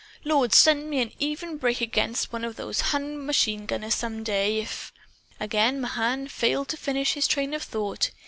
"Lord, send me an even break against one of those Hun machinegunners some day! If " Again Mahan failed to finish his train of thought.